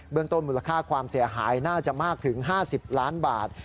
ต้นมูลค่าความเสียหายน่าจะมากถึง๕๐ล้านบาท